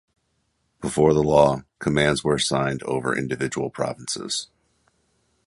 Before the law, commands were assigned over individual provinces.